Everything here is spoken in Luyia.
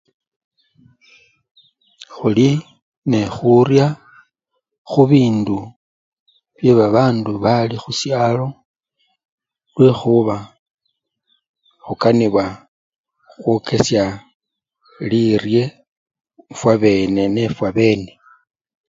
Khuli nekhurya khubindu byebabandu bali khusyalo lwekhuba khukanibwa khwokesya lirye fwabene nefwabene.